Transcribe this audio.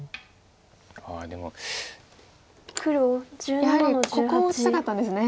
やはりここを打ちたかったんですね。